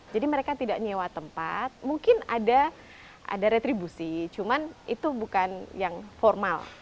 jadi mereka tidak nyewa tempat mungkin ada retribusi cuman itu bukan yang formal